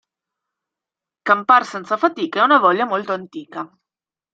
Campar senza fatica è una voglia molto antica.